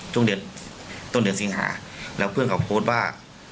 ช่วงเดือนต้นเดือนสิงหาแล้วเพื่อนเขาโพสต์ว่า